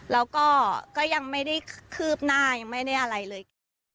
แล้วก็ยังไม่ได้คืบหน้ายังไม่ได้อะไรเลย